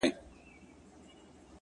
زما او ستا په جدايۍ خوشحاله”